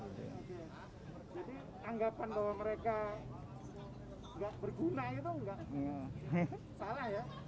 jadi anggapan bahwa mereka gak berguna itu enggak